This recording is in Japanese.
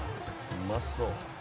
「うまそう」